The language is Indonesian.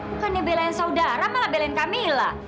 bukannya belain saudara malah belain kamila